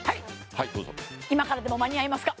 はいどうぞ今からでも間に合いますか？